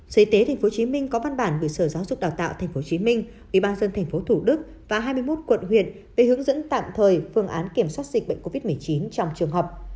giới tế tp hcm có văn bản bộ sở giáo dục đào tạo tp hcm ủy ban dân tp thủ đức và hai mươi một quận huyện về hướng dẫn tạm thời phương án kiểm soát dịch bệnh covid một mươi chín trong trường học